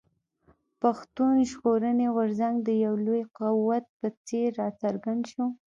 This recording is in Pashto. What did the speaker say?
پښتون ژغورني غورځنګ د يو لوی قوت په څېر راڅرګند شو.